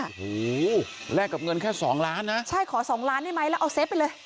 โอ้โหแลกกับเงินแค่สองล้านนะใช่ขอสองล้านได้ไหมแล้วเอาเซฟไปเลย